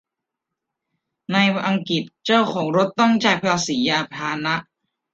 ในอังกฤษ เจ้าของรถต้องจ่ายภาษียานพาหนะ